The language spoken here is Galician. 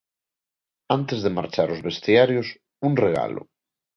Antes de marchar aos vestiarios, un regalo.